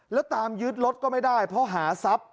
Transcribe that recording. แล้วตามยึดรถก็ไม่ได้เพราะหาทรัพย์